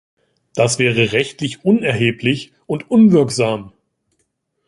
Das wäre rechtlich unerheblich und unwirksam.